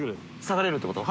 下がれるってこと？